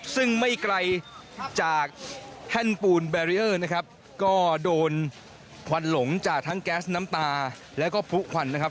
ซึ่งไม่ไกลจากแท่นปูนแบรีเออร์นะครับก็โดนควันหลงจากทั้งแก๊สน้ำตาแล้วก็พลุควันนะครับ